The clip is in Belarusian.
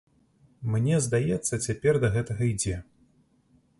Мне здаецца, цяпер да гэтага ідзе.